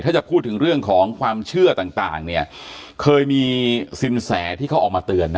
ถ้าจะพูดถึงเรื่องของความเชื่อต่างเนี่ยเคยมีสินแสที่เขาออกมาเตือนนะ